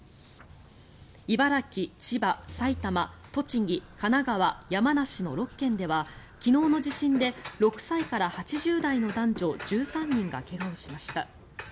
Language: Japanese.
茨城、千葉、埼玉、栃木神奈川、山梨の６県では昨日の地震で６歳から８０代の男女１３人が怪我をしました。